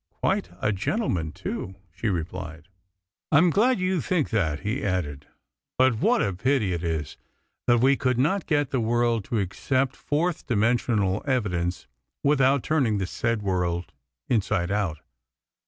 Quite a gentleman, too," she replied. "I'm glad you think that," he added; "but what a pity it is that we could not get the world to accept fourth dimensional evidence without turning the said world inside out.